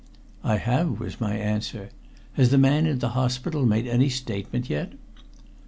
"I have," was my answer. "Has the man in the hospital made any statement yet?"